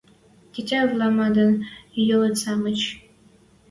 Тетявлӓ мадыт ӧлицӓ мыч!